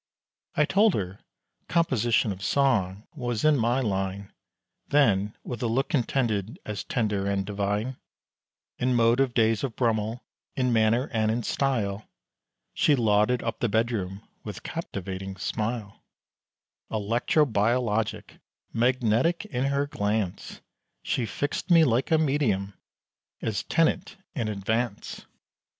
I told her, composition of song, was in my line, Then, with a look intended as tender and divine, And mode of days of Brummel, in manner and in style, She lauded up the bedroom with captivating smile, Electro biologic, magnetic in her glance, She fixed me like a medium, as tenant in advance!